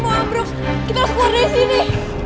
kita harus keluar dari sini